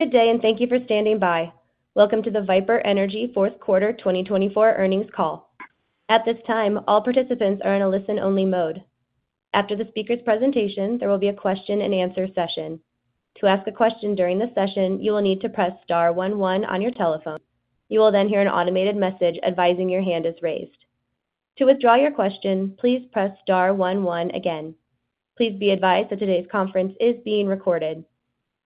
Good day, and thank you for standing by. Welcome to the Viper Energy Fourth Quarter 2024 earnings call. At this time, all participants are in a listen-only mode. After the speaker's presentation, there will be a question-and-answer session. To ask a question during the session, you will need to press star 11 on your telephone. You will then hear an automated message advising your hand is raised. To withdraw your question, please press star 11 again. Please be advised that today's conference is being recorded.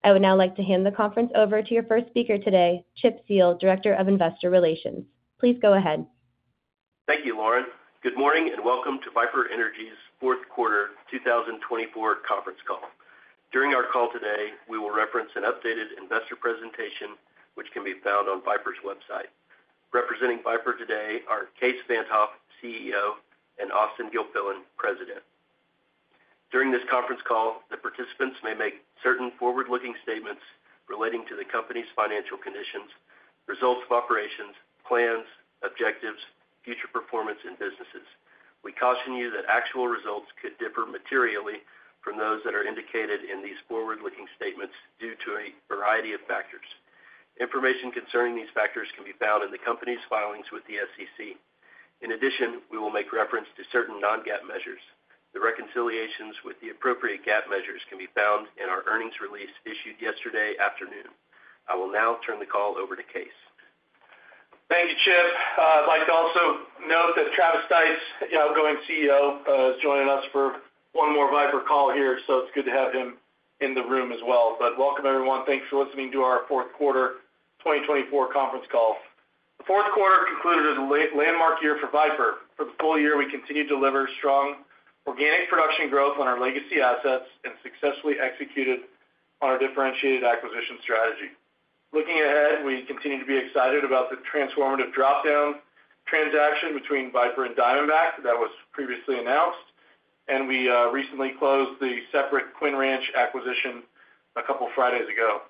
I would now like to hand the conference over to your first speaker today, Chip Seale, Director of Investor Relations. Please go ahead. Thank you, Lauren. Good morning and welcome to Viper Energy's Fourth Quarter 2024 conference call. During our call today, we will reference an updated investor presentation, which can be found on Viper's website. Representing Viper today are Kaes Van't Hof, CEO, and Austen Gilfillian, President. During this conference call, the participants may make certain forward-looking statements relating to the company's financial conditions, results of operations, plans, objectives, future performance, and businesses. We caution you that actual results could differ materially from those that are indicated in these forward-looking statements due to a variety of factors. Information concerning these factors can be found in the company's filings with the SEC. In addition, we will make reference to certain non-GAAP measures. The reconciliations with the appropriate GAAP measures can be found in our earnings release issued yesterday afternoon. I will now turn the call over to Kaes. Thank you, Chip. I'd like to also note that Travis Stice, our outgoing CEO, is joining us for one more Viper call here, so it's good to have him in the room as well. But welcome, everyone. Thanks for listening to our Fourth Quarter 2024 conference call. The Fourth Quarter concluded as a landmark year for Viper. For the full year, we continued to deliver strong organic production growth on our legacy assets and successfully executed on our differentiated acquisition strategy. Looking ahead, we continue to be excited about the transformative dropdown transaction between Viper and Diamondback that was previously announced, and we recently closed the separate Quinlan Ranch acquisition a couple of Fridays ago.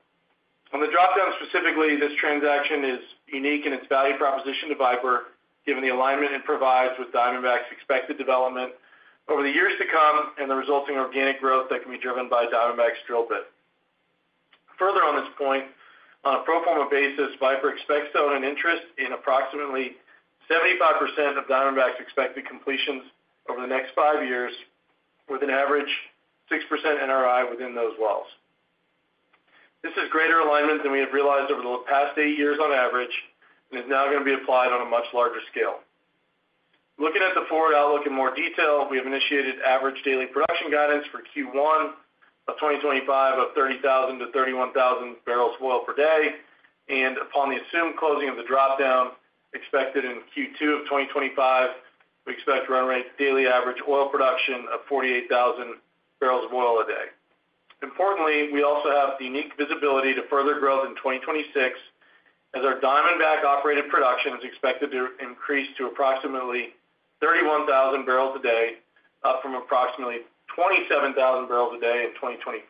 On the dropdown specifically, this transaction is unique in its value proposition to Viper, given the alignment it provides with Diamondback's expected development over the years to come and the resulting organic growth that can be driven by Diamondback's drill bit. Further on this point, on a pro forma basis, Viper expects to own an interest in approximately 75% of Diamondback's expected completions over the next five years, with an average 6% NRI within those wells. This is greater alignment than we have realized over the past eight years on average and is now going to be applied on a much larger scale. Looking at the forward outlook in more detail, we have initiated average daily production guidance for Q1 of 2025 of 30,000-31,000 barrels of oil per day. Upon the assumed closing of the dropdown expected in Q2 of 2025, we expect run rate daily average oil production of 48,000 barrels of oil a day. Importantly, we also have the unique visibility to further growth in 2026, as our Diamondback operated production is expected to increase to approximately 31,000 barrels a day, up from approximately 27,000 barrels a day in 2025.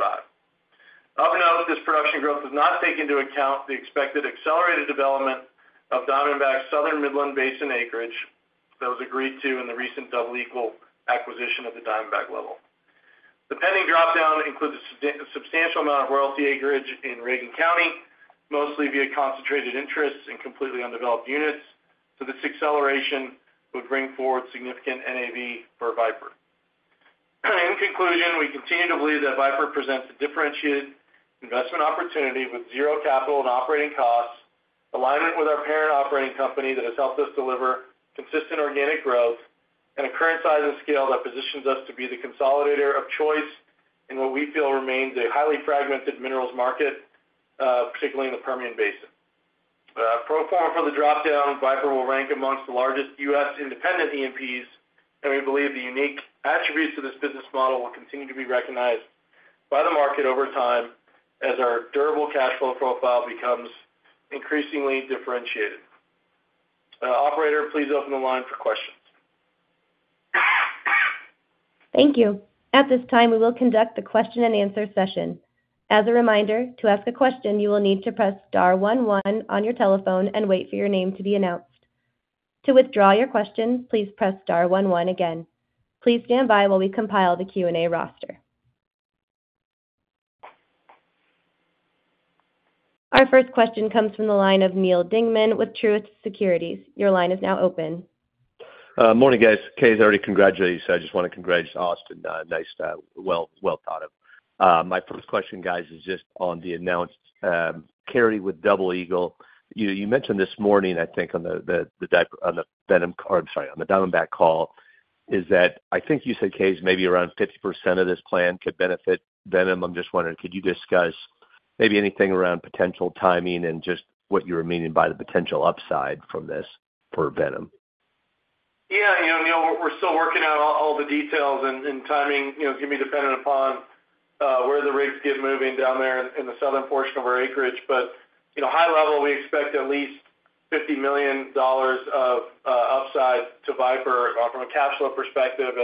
Of note, this production growth does not take into account the expected accelerated development of Diamondback's Southern Midland Basin acreage that was agreed to in the recent Double Eagle acquisition at the Diamondback level. The pending dropdown includes a substantial amount of royalty acreage in Reagan County, mostly via concentrated interests and completely undeveloped units, so this acceleration would bring forward significant NAV for Viper. In conclusion, we continue to believe that Viper presents a differentiated investment opportunity with zero capital and operating costs, alignment with our parent operating company that has helped us deliver consistent organic growth, and a current size and scale that positions us to be the consolidator of choice in what we feel remains a highly fragmented minerals market, particularly in the Permian Basin. Pro forma for the dropdown, Viper will rank amongst the largest U.S. independent E&Ps, and we believe the unique attributes of this business model will continue to be recognized by the market over time as our durable cash flow profile becomes increasingly differentiated. Operator, please open the line for questions. Thank you. At this time, we will conduct the question-and-answer session. As a reminder, to ask a question, you will need to press star 11 on your telephone and wait for your name to be announced. To withdraw your question, please press star 11 again. Please stand by while we compile the Q&A roster. Our first question comes from the line of Neil Dingmann with Truist Securities. Your line is now open. Morning, guys. Kaes has already congratulated you, so I just want to congratulate Austen. Nice. Well thought of. My first question, guys, is just on the announced carry with Double Eagle. You mentioned this morning, I think, on the Venom or, I'm sorry, on the Diamondback call, is that I think you said, Kaes, maybe around 50% of this plan could benefit Venom. I'm just wondering, could you discuss maybe anything around potential timing and just what you were meaning by the potential upside from this for Venom? Yeah. We're still working out all the details and timing. It's going to be dependent upon where the rigs get moving down there in the southern portion of our acreage. But high level, we expect at least $50 million of upside to Viper from a cash flow perspective.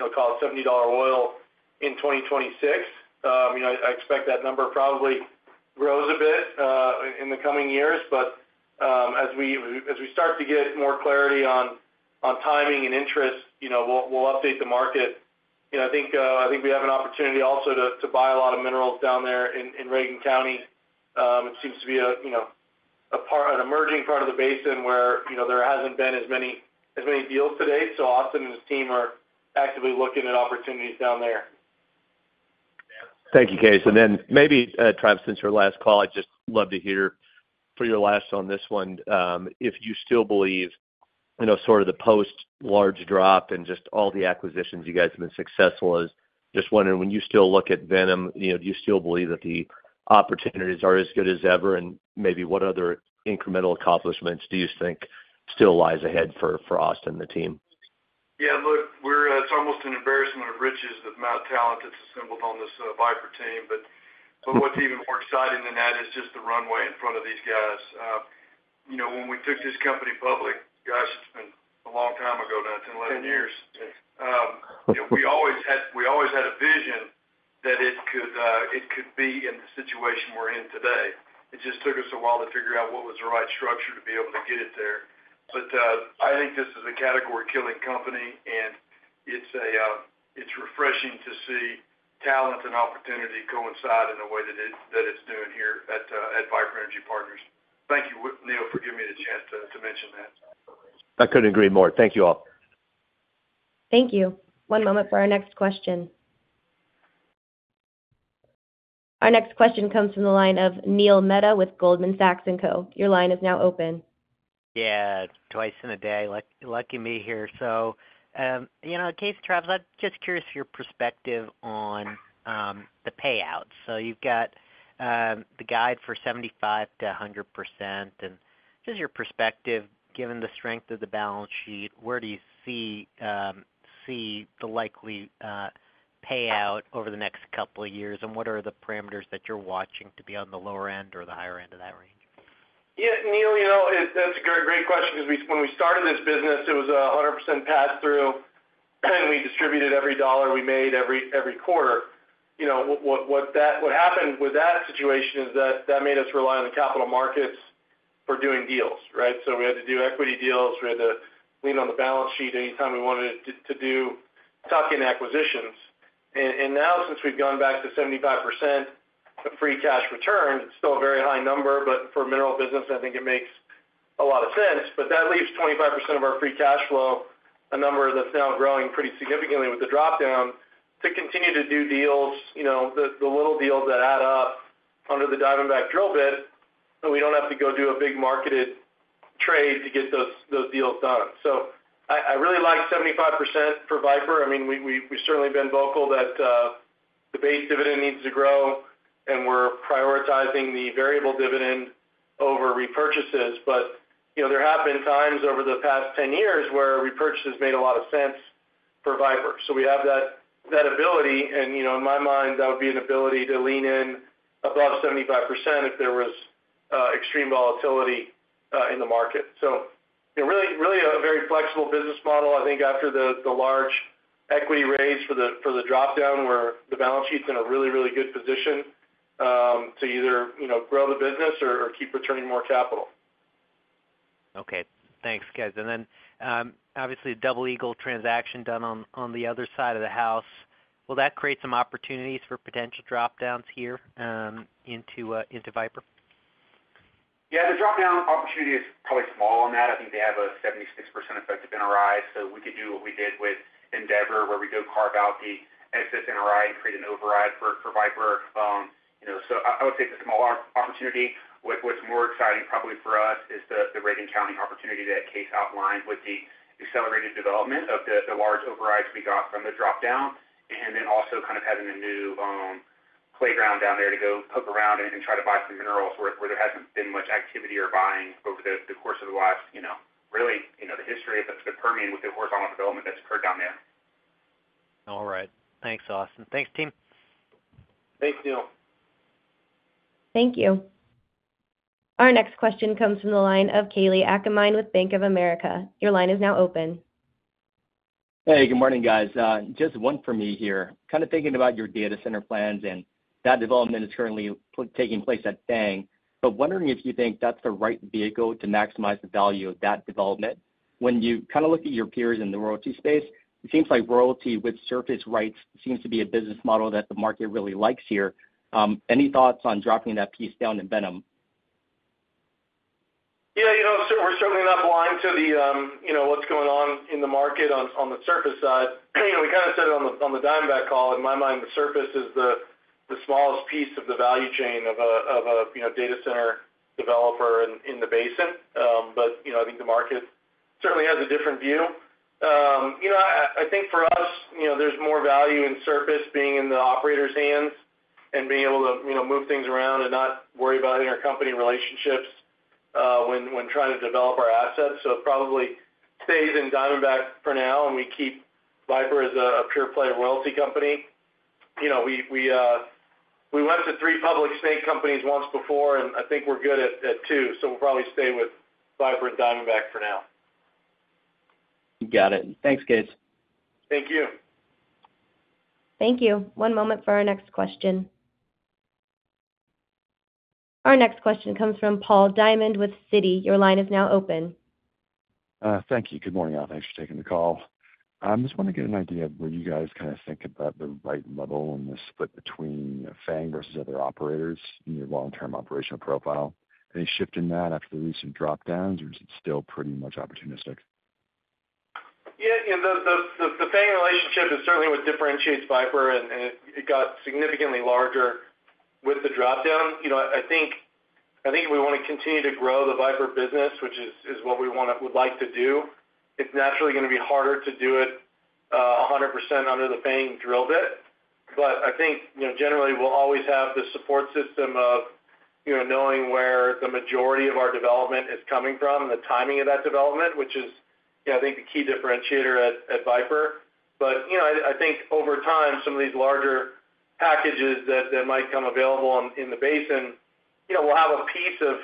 I'll call it $70 oil in 2026. I expect that number probably grows a bit in the coming years. But as we start to get more clarity on timing and interest, we'll update the market. I think we have an opportunity also to buy a lot of minerals down there in Reagan County. It seems to be an emerging part of the basin where there hasn't been as many deals today. So Austen and his team are actively looking at opportunities down there. Thank you, Kaes. So then maybe, Travis, since your last call, I'd just love to hear from your last on this one. If you still believe sort of the post-large dropdown and just all the acquisitions you guys have been successful, I was just wondering, when you still look at Venom, do you still believe that the opportunities are as good as ever? And maybe what other incremental accomplishments do you think still lies ahead for Austen and the team? Yeah. It's almost an embarrassment of riches of mountain of talent that's assembled on this Viper team. But what's even more exciting than that is just the runway in front of these guys. When we took this company public, gosh, it's been a long time ago, now, 10, 11 years. We always had a vision that it could be in the situation we're in today. It just took us a while to figure out what was the right structure to be able to get it there. But I think this is a category-killing company, and it's refreshing to see talent and opportunity coincide in the way that it's doing here at Viper Energy Partners. Thank you, Neil, for giving me the chance to mention that. I couldn't agree more. Thank you all. Thank you. One moment for our next question. Our next question comes from the line of Neil Mehta with Goldman Sachs & Co. Your line is now open. Yeah. Twice in a day. Lucky me here. So, Kaes, Travis, I'm just curious for your perspective on the payout. So you've got the guide for 75%-100%. And just your perspective, given the strength of the balance sheet, where do you see the likely payout over the next couple of years? And what are the parameters that you're watching to be on the lower end or the higher end of that range? Yeah. Neil, that's a great question because when we started this business, it was 100% pass-through, and we distributed every dollar we made every quarter. What happened with that situation is that that made us rely on the capital markets for doing deals, right? So we had to do equity deals. We had to lean on the balance sheet anytime we wanted to do tuck-in acquisitions. And now, since we've gone back to 75% of free cash returned, it's still a very high number, but for a mineral business, I think it makes a lot of sense. But that leaves 25% of our free cash flow, a number that's now growing pretty significantly with the dropdown, to continue to do deals, the little deals that add up under the Diamondback drill bit, so we don't have to go do a big marketed trade to get those deals done. So I really like 75% for Viper. I mean, we've certainly been vocal that the base dividend needs to grow, and we're prioritizing the variable dividend over repurchases. But there have been times over the past 10 years where repurchases made a lot of sense for Viper. So we have that ability. And in my mind, that would be an ability to lean in above 75% if there was extreme volatility in the market. So really a very flexible business model. I think after the large equity raise for the dropdown, the balance sheet's in a really, really good position to either grow the business or keep returning more capital. Okay. Thanks, guys. And then, obviously, the Double Eagle transaction done on the other side of the house, will that create some opportunities for potential dropdowns here into Viper? Yeah. The dropdown opportunity is probably small on that. I think they have a 76% effective NRI, so we could do what we did with Endeavor, where we do carve out the excess NRI and create an override for Viper. So I would say it's a small opportunity. What's more exciting probably for us is the Reagan County opportunity that Kaes outlined with the accelerated development of the large overrides we got from the dropdown, and then also kind of having a new playground down there to go poke around and try to buy some minerals where there hasn't been much activity or buying over the course of the last, really, the history of the Permian with the horizontal development that's occurred down there. All right. Thanks, Austen. Thanks, team. Thanks, Neil. Thank you. Our next question comes from the line of Kalei Akamine with Bank of America. Your line is now open. Hey, good morning, guys. Just one for me here. Kind of thinking about your data center plans, and that development is currently taking place at Fang. But wondering if you think that's the right vehicle to maximize the value of that development. When you kind of look at your peers in the royalty space, it seems like royalty with surface rights seems to be a business model that the market really likes here. Any thoughts on dropping that piece down in Venom? Yeah. We're certainly not blind to what's going on in the market on the surface side. We kind of said it on the Diamondback call. In my mind, the surface is the smallest piece of the value chain of a data center developer in the basin. But I think the market certainly has a different view. I think for us, there's more value in surface being in the operator's hands and being able to move things around and not worry about intercompany relationships when trying to develop our assets. So it probably stays in Diamondback for now, and we keep Viper as a pure-play royalty company. We went to three public snake companies once before, and I think we're good at two. So we'll probably stay with Viper and Diamondback for now. Got it. Thanks, Kaes. Thank you. Thank you. One moment for our next question. Our next question comes from Paul Diamond with Citi. Your line is now open. Thank you. Good morning, Austen. Thanks for taking the call. I just want to get an idea of where you guys kind of think about the right level and the split between Fang versus other operators in your long-term operational profile. Any shift in that after the recent dropdowns, or is it still pretty much opportunistic? Yeah. The Fang relationship is certainly what differentiates Viper, and it got significantly larger with the dropdown. I think we want to continue to grow the Viper business, which is what we would like to do. It's naturally going to be harder to do it 100% under the Fang drill bit. But I think, generally, we'll always have the support system of knowing where the majority of our development is coming from and the timing of that development, which is, I think, the key differentiator at Viper. But I think, over time, some of these larger packages that might come available in the basin will have a piece of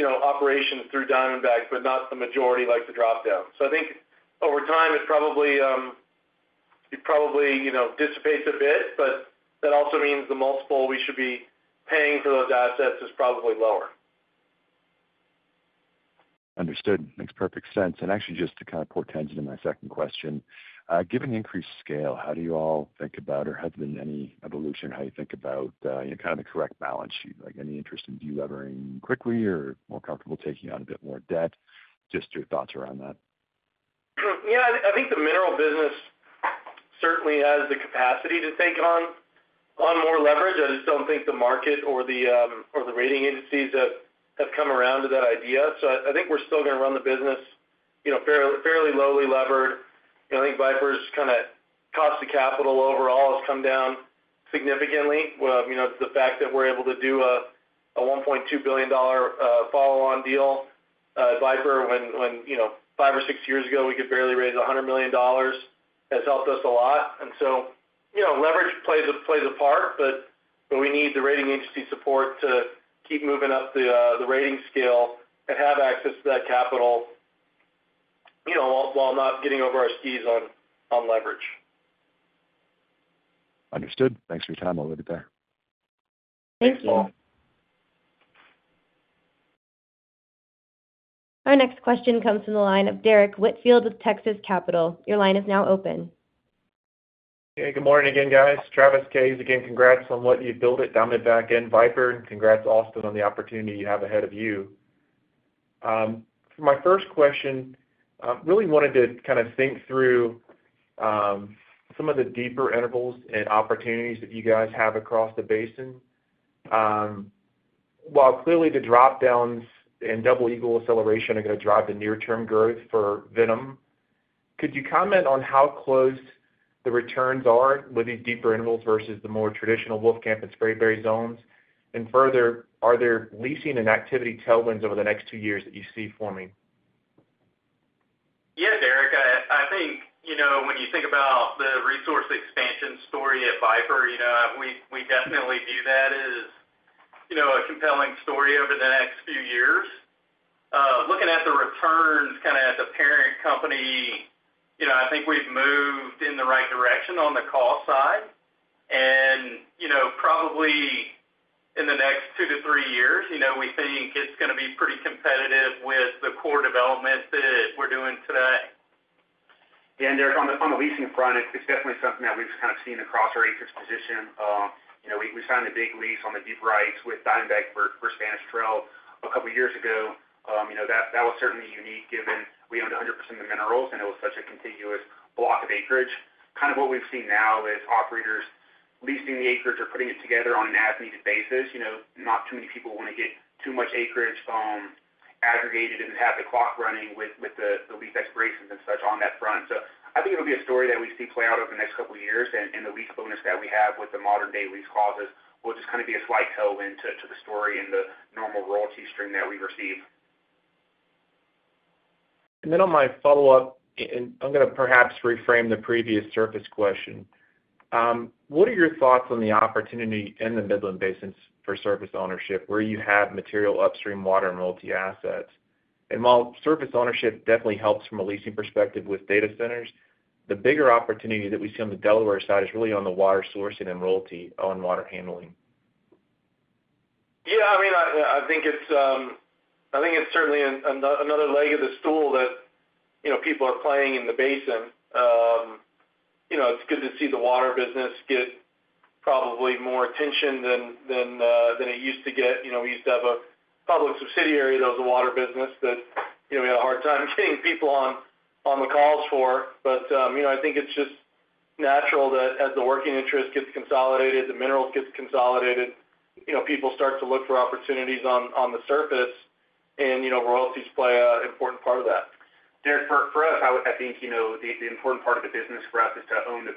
operations through Diamondback, but not the majority like the dropdown. So I think, over time, it probably dissipates a bit, but that also means the multiple we should be paying for those assets is probably lower. Understood. Makes perfect sense. And actually, just to kind of pour tension in my second question, given increased scale, how do you all think about or has there been any evolution in how you think about kind of the correct balance sheet? Any interest in deleveraging quickly or more comfortable taking on a bit more debt? Just your thoughts around that. Yeah. I think the mineral business certainly has the capacity to take on more leverage. I just don't think the market or the rating agencies have come around to that idea. So I think we're still going to run the business fairly lowly levered. I think Viper's kind of cost of capital overall has come down significantly. The fact that we're able to do a $1.2 billion follow-on deal at Viper when five or six years ago we could barely raise $100 million has helped us a lot. And so leverage plays a part, but we need the rating agency support to keep moving up the rating scale and have access to that capital while not getting over our skis on leverage. Understood. Thanks for your time. I'll leave it there. Thank you. Our next question comes from the line of Derrick Whitfield with Texas Capital. Your line is now open. Okay. Good morning again, guys. Travis, Kaes, again, congrats on what you've built at Diamondback and Viper, and congrats Austen on the opportunity you have ahead of you. For my first question, really wanted to kind of think through some of the deeper intervals and opportunities that you guys have across the basin. While clearly the dropdowns and Double Eagle acceleration are going to drive the near-term growth for Venom, could you comment on how close the returns are with these deeper intervals versus the more traditional Wolfcamp and Spraberry zones? And further, are there leasing and activity tailwinds over the next two years that you see forming? Yeah, Derrick. I think when you think about the resource expansion story at Viper, we definitely view that as a compelling story over the next few years. Looking at the returns kind of at the parent company, I think we've moved in the right direction on the cost side. And probably in the next two to three years, we think it's going to be pretty competitive with the core development that we're doing today. Yeah. And, Derrick, on the leasing front, it's definitely something that we've kind of seen across our acreage position. We signed a big lease on the deep rights with Diamondback for Spanish Trail a couple of years ago. That was certainly unique given we owned 100% of the minerals, and it was such a contiguous block of acreage. Kind of what we've seen now is operators leasing the acreage or putting it together on an as-needed basis. Not too many people want to get too much acreage aggregated and have the clock running with the lease expirations and such on that front, so I think it'll be a story that we see play out over the next couple of years. The lease bonus that we have with the modern-day lease clauses will just kind of be a slight tailwind to the story and the normal royalty stream that we receive. And then on my follow-up, and I'm going to perhaps reframe the previous surface question. What are your thoughts on the opportunity in the Midland Basin for surface ownership where you have material upstream water and royalty assets? And while surface ownership definitely helps from a leasing perspective with data centers, the bigger opportunity that we see on the Delaware Basin side is really on the water sourcing and royalty on water handling. Yeah. I mean, I think it's certainly another leg of the stool that people are playing in the basin. It's good to see the water business get probably more attention than it used to get. We used to have a public subsidiary that was a water business that we had a hard time getting people on the calls for. But I think it's just natural that as the working interest gets consolidated, the minerals get consolidated, people start to look for opportunities on the surface, and royalties play an important part of that. Derrick, for us, I think the important part of the business for us is to own the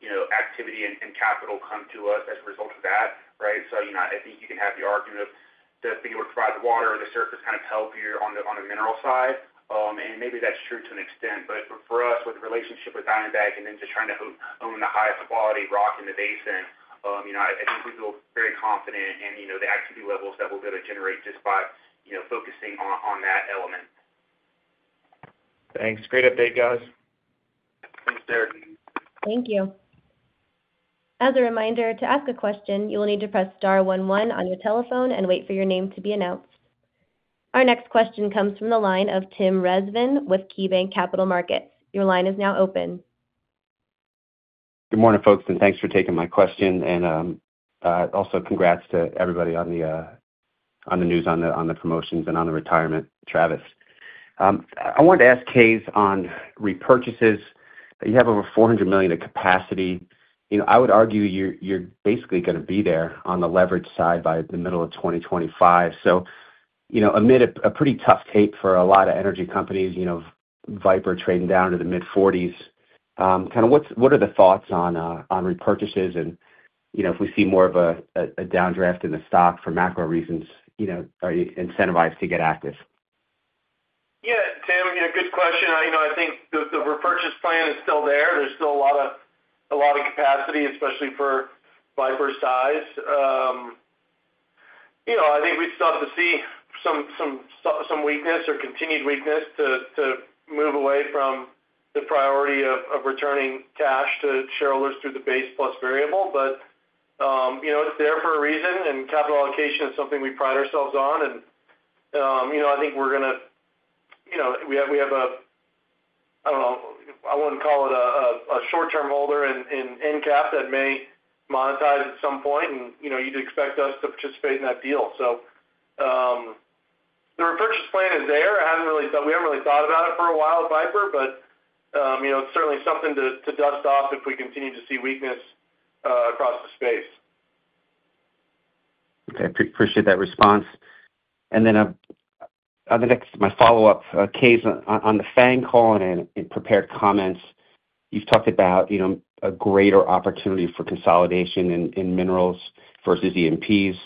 best rock and let activity and capital come to us as a result of that, right? So I think you can have the argument of being able to provide the water or the surface kind of help here on the mineral side. And maybe that's true to an extent. But for us, with the relationship with Diamondback and then just trying to own the highest quality rock in the basin, I think we feel very confident in the activity levels that we're going to generate just by focusing on that element. Thanks. Great update, guys. Thanks, Derek. Thank you. As a reminder, to ask a question, you will need to press star 11 on your telephone and wait for your name to be announced. Our next question comes from the line of Tim Rezvan with KeyBanc Capital Markets. Your line is now open. Good morning, folks, and thanks for taking my question. And also congrats to everybody on the news, on the promotions, and on the retirement, Travis. I wanted to ask Kaes on repurchases. You have over $400 million of capacity. I would argue you're basically going to be there on the leverage side by the middle of 2025. So amid a pretty tough tape for a lot of energy companies, Viper trading down to the mid-40s, kind of what are the thoughts on repurchases? And if we see more of a downdraft in the stock for macro reasons, are you incentivized to get active? Yeah. Tim, good question. I think the repurchase plan is still there. There's still a lot of capacity, especially for Viper's size. I think we still have to see some weakness or continued weakness to move away from the priority of returning cash to shareholders through the base plus variable. But it's there for a reason, and capital allocation is something we pride ourselves on. And I think we have a—I don't know. I wouldn't call it a short-term holder in EnCap that may monetize at some point, and you'd expect us to participate in that deal. So the repurchase plan is there. We haven't really thought about it for a while, Viper, but it's certainly something to dust off if we continue to see weakness across the space. Okay. Appreciate that response. And then on my follow-up, Kaes, on the Fang call and in prepared comments, you've talked about a greater opportunity for consolidation in minerals versus E&Ps.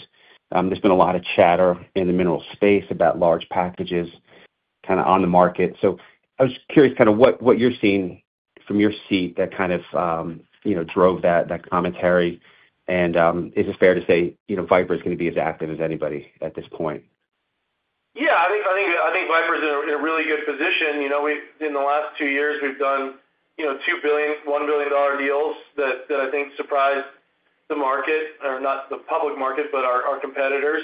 There's been a lot of chatter in the mineral space about large packages kind of on the market. So I was curious kind of what you're seeing from your seat that kind of drove that commentary. And is it fair to say Viper is going to be as active as anybody at this point? Yeah. I think Viper's in a really good position. In the last two years, we've done $1 billion deals that I think surprised the market, or not the public market, but our competitors,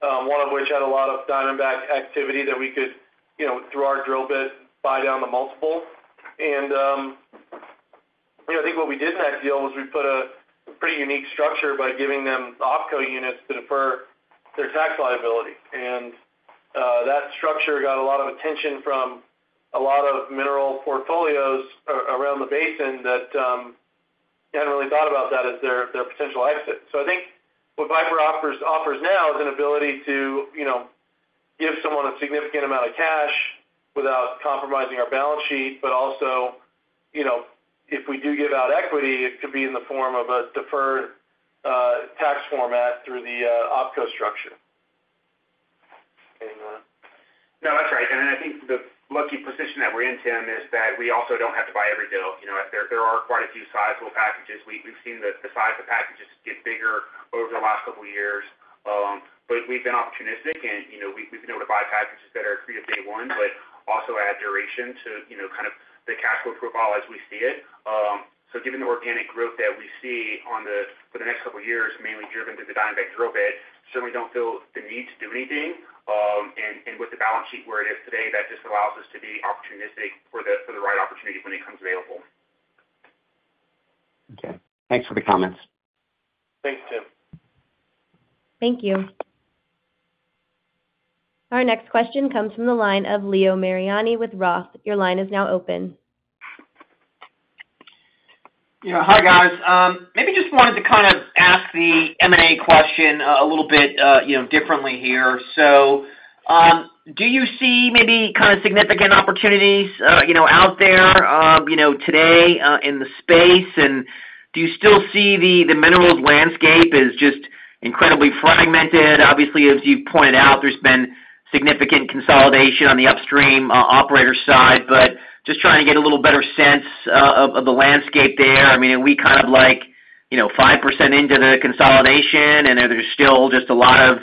one of which had a lot of Diamondback activity that we could, through our drill bit, buy down the multiple. And I think what we did in that deal was we put a pretty unique structure by giving them OpCo units to defer their tax liability. And that structure got a lot of attention from a lot of mineral portfolios around the basin that hadn't really thought about that as their potential exit. So I think what Viper offers now is an ability to give someone a significant amount of cash without compromising our balance sheet. But also, if we do give out equity, it could be in the form of a deferred tax format through the Opco structure. No, that's right. And I think the lucky position that we're in, Tim, is that we also don't have to buy every deal. There are quite a few sizable packages. We've seen the size of packages get bigger over the last couple of years. But we've been opportunistic, and we've been able to buy packages that are free of day one, but also add duration to kind of the cash flow profile as we see it. So given the organic growth that we see for the next couple of years, mainly driven through the Diamondback drill bit, certainly don't feel the need to do anything. And with the balance sheet where it is today, that just allows us to be opportunistic for the right opportunity when it comes available. Okay. Thanks for the comments. Thanks, Tim. Thank you. Our next question comes from the line of Leo Mariani with ROTH. Your line is now open. Hi, guys. Maybe just wanted to kind of ask the M&A question a little bit differently here. So do you see maybe kind of significant opportunities out there today in the space? And do you still see the minerals landscape as just incredibly fragmented? Obviously, as you've pointed out, there's been significant consolidation on the upstream operator side. But just trying to get a little better sense of the landscape there. I mean, are we kind of like 5% into the consolidation, and are there still just a lot of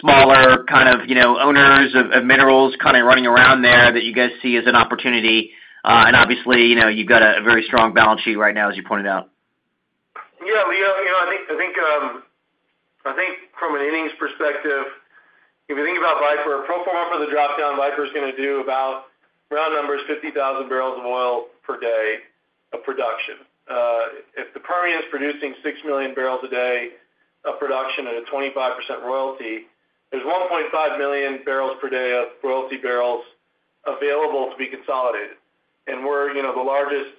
smaller kind of owners of minerals kind of running around there that you guys see as an opportunity? And obviously, you've got a very strong balance sheet right now, as you pointed out. Yeah. Leo, I think from an innings perspective, if you think about Viper, pro forma for the dropdown, Viper is going to do about round numbers, 50,000 barrels of oil per day of production. If the Permian is producing six million barrels a day of production at a 25% royalty, there's 1.5 million barrels per day of royalty barrels available to be consolidated. We're the largest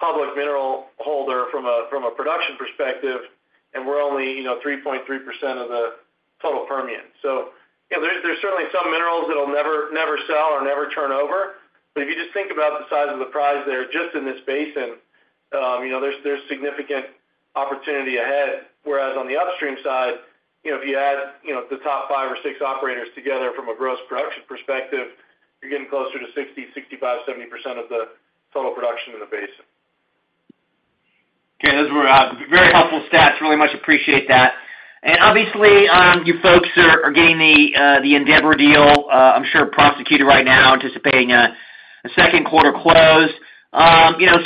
public mineral holder from a production perspective, and we're only 3.3% of the total Permian. So there's certainly some minerals that will never sell or never turn over. But if you just think about the size of the prize there just in this basin, there's significant opportunity ahead. Whereas on the upstream side, if you add the top five or six operators together from a gross production perspective, you're getting closer to 60, 65, 70% of the total production in the basin. Okay. Those were very helpful stats. Really much appreciate that. And obviously, you folks are getting the Endeavor deal, I'm sure, prosecuted right now, anticipating a second quarter close.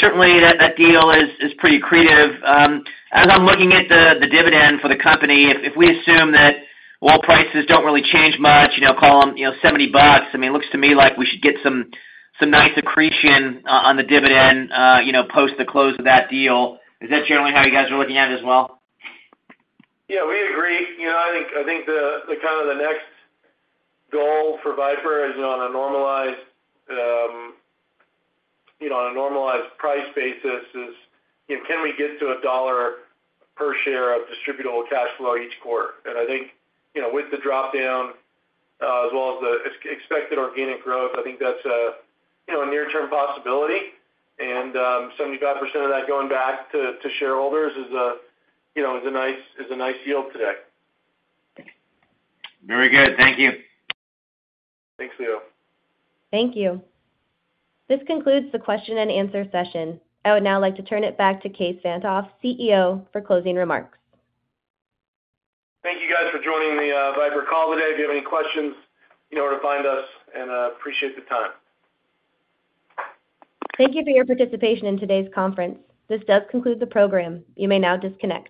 Certainly, that deal is pretty creative. As I'm looking at the dividend for the company, if we assume that oil prices don't really change much, call them $70, I mean, it looks to me like we should get some nice accretion on the dividend post the close of that deal. Is that generally how you guys are looking at it as well? Yeah. We agree. I think kind of the next goal for Viper is on a normalized price basis is, can we get to $1 per share of distributable cash flow each quarter? And I think with the dropdown as well as the expected organic growth, I think that's a near-term possibility. And 75% of that going back to shareholders is a nice yield today. Very good. Thank you. Thanks, Leo. Thank you. This concludes the question and answer session. I would now like to turn it back to Kaes Van't Hof, CEO, for closing remarks. Thank you, guys, for joining the Viper call today. If you have any questions, you know where to find us, and I appreciate the time. Thank you for your participation in today's conference. This does conclude the program. You may now disconnect.